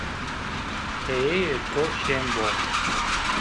Keyeyê to şên bo